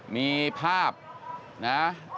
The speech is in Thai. มีภาพนะ